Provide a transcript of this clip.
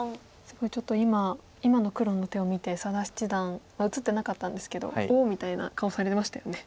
すごいちょっと今今の黒の手を見て佐田七段映ってなかったんですけど「おお！」みたいな顔されてましたよね。